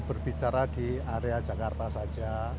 berbicara di area jakarta saja